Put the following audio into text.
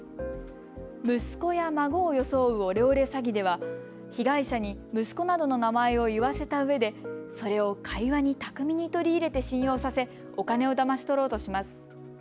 息子や孫を装うオレオレ詐欺では被害者に息子などの名前を言わせたうえでそれを会話に巧みに取り入れて信用させ、お金をだまし取ろうとします。